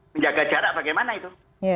menjaga jarak bagaimana itu